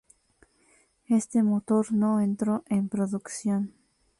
Este motor no entró en producción.